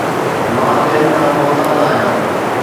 مان ٻين کان محتاط آهيان